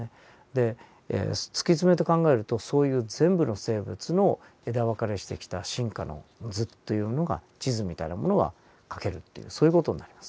で突き詰めて考えるとそういう全部の生物の枝分かれしてきた進化の図というのが地図みたいなものが描けるというそういう事になります。